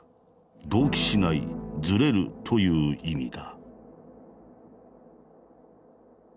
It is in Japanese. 同期しないズレるという意味だ。